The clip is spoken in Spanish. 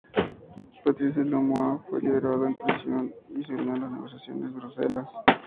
Patrice Lumumba fue liberado de prisión y se unió a las negociaciones en Bruselas.